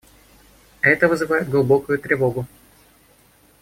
Это вызывает глубокую тревогу.